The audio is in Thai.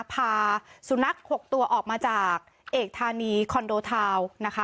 พาสุนัข๖ตัวออกมาจากเอกธานีคอนโดทาวน์นะคะ